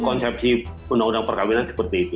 konsepsi undang undang perkahwinan seperti itu